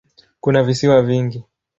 Kuna visiwa vingi.